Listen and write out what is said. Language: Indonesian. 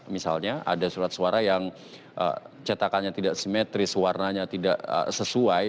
misalnya ada surat suara yang cetakannya tidak simetris warnanya tidak sesuai